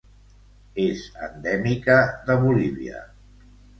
És endèmica de Bolívia.